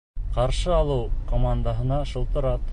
Ҡаршы алыу командаһына шылтырат.